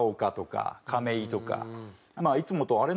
いつもとあれ？